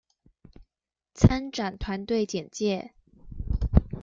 參展團隊簡介